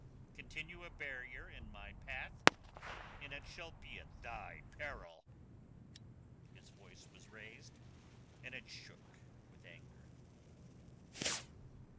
Continue a barrier in my path and it shall be at thy peril." His voice was raised and it shook with anger.